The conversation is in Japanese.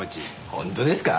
本当ですか？